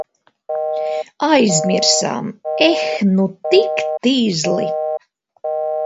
Aizmirsām! Eh, nu tik tizli.